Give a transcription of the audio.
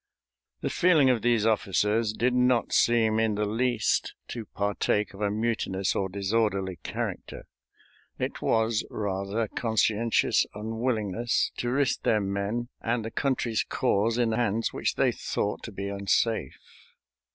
The feeling of these officers did not seem in the least to partake of a mutinous or disorderly character; it was rather conscientious unwillingness to risk their men and the country's cause in hands which they thought to be unsafe.